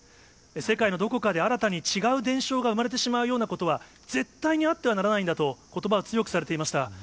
世界のどこかで、新たに違う伝承が生まれてしまうようなことは、絶対にあってはならないんだと、ことばを強くされていました。